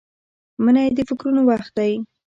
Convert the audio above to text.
منی د فکرونو وخت دی